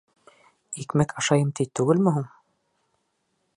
— Икмәк ашайым ти түгелме һуң?